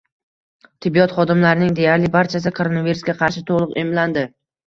Tibbiyot xodimlarining deyarli barchasi koronavirusga qarshi to‘liq emlanding